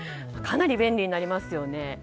かなり便利になりますよね。